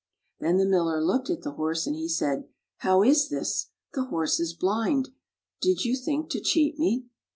Then the Miller looked at the horse, and he said, " How is this? The horse is blind. Did you think to cheat me?